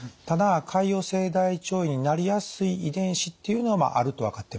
ただ潰瘍性大腸炎になりやすい遺伝子っていうのはあると分かっています。